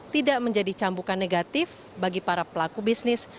tidak menjadi cambukan negatif bagi para pelaku bisnis